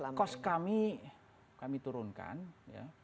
jadi cost kami kami turunkan